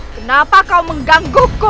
kenapa kau mengganggu ku